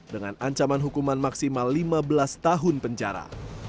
dengan ancaman hukuman maksimal lima belas tahun penjara